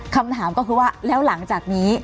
คำถามก็คือว่าแล้วหลังจากนี้